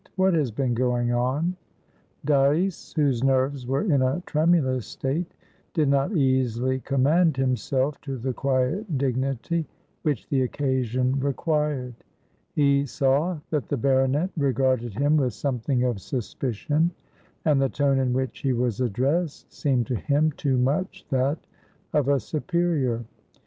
"What has been going on?" Dyce, whose nerves were in a tremulous state, did not easily command himself to the quiet dignity which the occasion required. He saw that the baronet regarded him with something of suspicion, and the tone in which he was addressed seemed to him too much that of a superior.